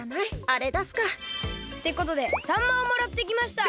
あれだすか。ってことでさんまをもらってきました！